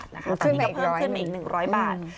ตอนนี้ก็เพิ่มขึ้นมาอีก๑๐๐บาท